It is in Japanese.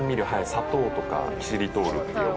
砂糖とかキシリトールって呼ばれる」